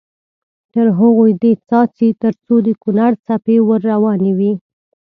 تر هغو دې څاڅي تر څو د کونړ څپې ور روانې وي.